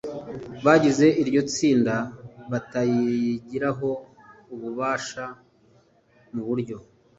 Bagize iryo tsinda batayigiraho ububasha mu buryo